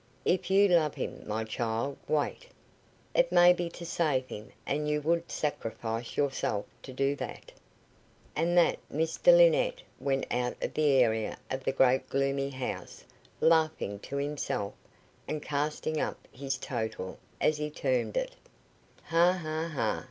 "If you love him, my child, wait. It may be to save him, and you would sacrifice yourself to do that." And that Mr Linnett went out of the area of the great gloomy house, laughing to himself, and casting up his total, as he termed it. "Ha! ha! ha!"